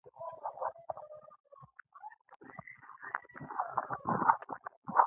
ملګری د ستونزو مل وي